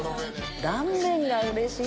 断面がうれしい。